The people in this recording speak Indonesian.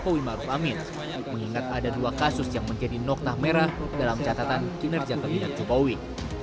pemerintah jokowi maaf amin mengingat ada dua kasus yang menjadi noktah merah dalam catatan kinerja keminat jokowi